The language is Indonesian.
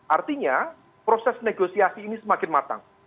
artinya proses negosiasi ini semakin matang